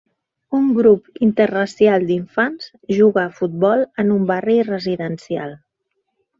Un grup interracial d'infants juga a futbol en un barri residencial.